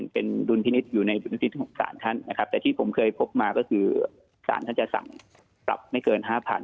เป็นดุลพินิษฐ์อยู่ในดุลพินิษฐ์ของศาลท่านนะครับแต่ที่ผมเคยพบมาก็คือสารท่านจะสั่งปรับไม่เกิน๕๐๐๐